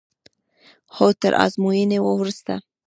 هو تر ازموینې وروسته.